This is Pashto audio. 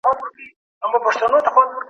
انګور د وجود کمزوري لیرې کوي.